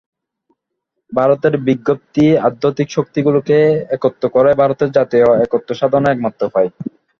ভারতের বিক্ষিপ্ত আধ্যাত্মিক-শক্তিগুলিকে একত্র করাই ভারতের জাতীয় একত্ব-সাধনের একমাত্র উপায়।